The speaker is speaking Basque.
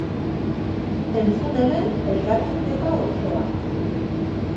Entzun hemen elkarrizketa osoa.